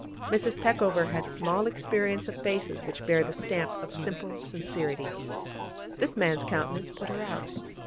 Mrs. Peckover had small experience of faces which bear the stamp of simple sincerity. This man's countenance put her out.